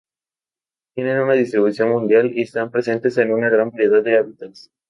Tienen una distribución mundial y están presentes en una gran variedad de hábitats.